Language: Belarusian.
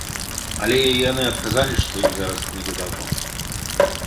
Але яны адказалі, што ім зараз не да таго.